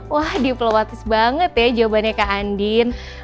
wah diplotis banget ya jawabannya kak andin